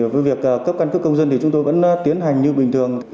với việc cấp căn cước công dân thì chúng tôi vẫn tiến hành như bình thường